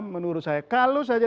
menurut saya kalau saja